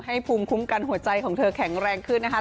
ภูมิคุ้มกันหัวใจของเธอแข็งแรงขึ้นนะคะ